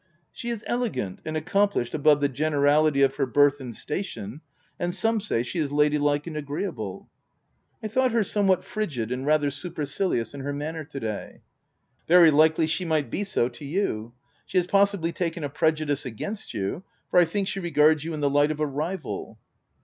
" She is elegant and accomplished above the generality of her birth and station ; and some say she is lady like and agreeable." " I thought her somewhat frigid, and rather supercilious in her manner to day." I 2 172 THE TENANT " Very likely she might be so to you. She has possibly taken a prejudice against you, for I think she regards you in the light of a rival."